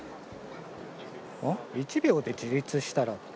「１秒で自立したら」？